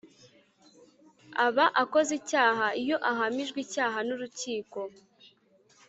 Aba akoze icyaha iyo ahamijwe icyaha n urukiko